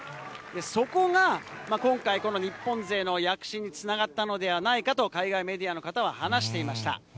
そこが今回、日本勢の躍進につながったのではないかと、海外メディアの方は話していました。